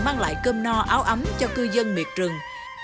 mang lại cơm no áo ấm cho cư dân miệt rừng